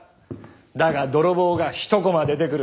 だが泥棒が一コマ出てくる。